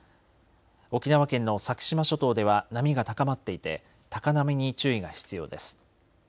沖縄県の先島諸島では波が高まっていて高波に注意が必要です。